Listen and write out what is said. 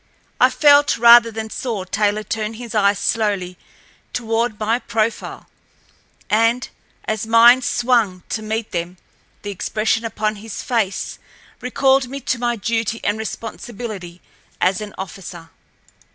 I felt, rather than saw, Taylor turn his eyes slowly toward my profile, and, as mine swung to meet them, the expression upon his face recalled me to my duty and responsibility as an officer.